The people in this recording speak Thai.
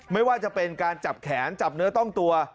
ไม่ว่าจะเป็นการจับแขนจับเนื้อต้องตัว